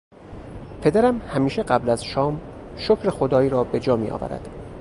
پدرم همیشه قبل از شام شکر خدای را به جا میآورد.